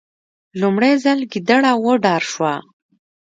لومړی ځل ګیدړه وډار شوه.